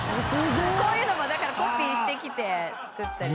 こういうのもコピーしてきて作ったり。